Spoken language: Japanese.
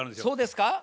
そうですか？